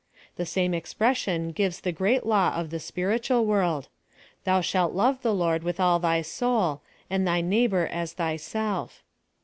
The same expression gives the great law of the spiritual world. 'Thou shalt love the Lord with all thy soul, and thy neigh bor as thyself.'